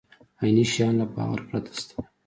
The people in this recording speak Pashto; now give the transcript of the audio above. عیني شیان له باور پرته شته.